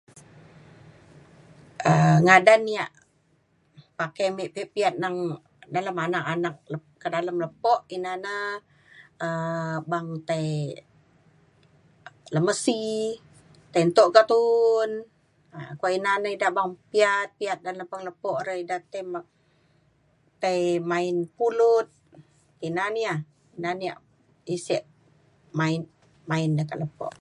um Ngadan ya' pakai me' piyat piyat nang dalem anak anak lep- ke dalam lepo, ina ne um beng tai lemesi, tai entuk ke tu'un, um lepa ina eda beng piyat piyat dalem pengelepuk re edai tai tai main pulut ina ne ya, ina ya' sik main main ja' ke lepo'.